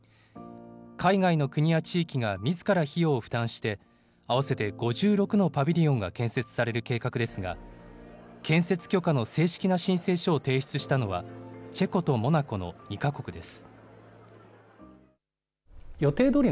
海外の国や地域がみずから費用を負担して、合わせて５６のパビリオンが建設される計画ですが、建設許可の正式な申請書を提出したのは、チェコとモナコの２か国です。